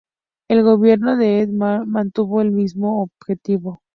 El gobierno de Ehud Olmert mantuvo el mismo objetivo.